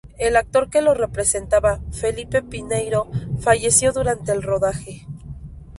El actor que lo representaba, Felipe Pinheiro, falleció durante el rodaje.